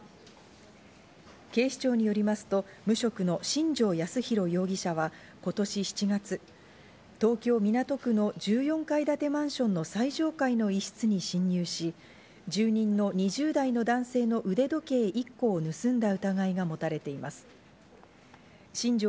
警視庁によりますと無職の新城康浩容疑者は今年７月、東京・港区の１４階建てマンションの最上階の一室に侵入し、住人の２０代の男性の腕時計１個を盗んだ疑いが持たれています。